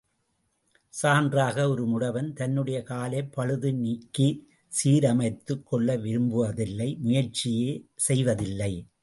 சான்றாக ஒரு முடவன் தன்னுடைய காலைப் பழுது நீக்கிச் சீரமைத்துக் கொள்ள விரும்புவதில்லை முயற்சி செய்வதில்லை.